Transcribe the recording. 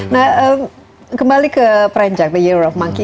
nah kembali ke prenjak the year of monkey